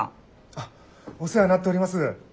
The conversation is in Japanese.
あっお世話になっております。